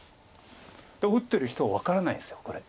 打ってる人は分からないんですこれ。